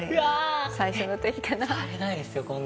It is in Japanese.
触れないですよ、こんな。